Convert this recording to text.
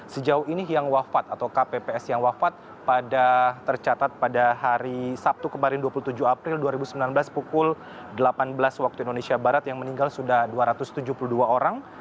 sejauh ini yang wafat atau kpps yang wafat pada tercatat pada hari sabtu kemarin dua puluh tujuh april dua ribu sembilan belas pukul delapan belas waktu indonesia barat yang meninggal sudah dua ratus tujuh puluh dua orang